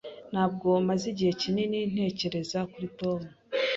Ntabwo maze igihe kinini ntekereza kuri Tom.